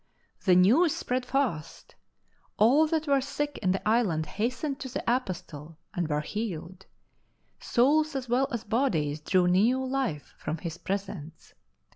The news spread fast; ail that were sick in the island hastened to the Apostle and were healed; souls as well as bodies drew new life from his presence.